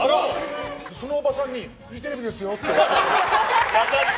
そのおばさんにフジテレビですよって。